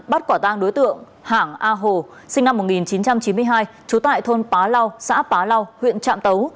bắt quả tang đối tượng hảng a hồ sinh năm một nghìn chín trăm chín mươi hai trú tại thôn pá lau xã bá lau huyện trạm tấu